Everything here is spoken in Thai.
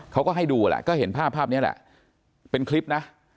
เขาก็ให้ดูแหละก็เห็นภาพภาพนี้แหละเป็นคลิปนะ